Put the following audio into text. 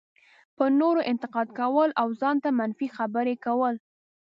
په نورو انتقاد کول او ځان ته منفي خبرې کول.